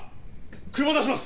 車出します！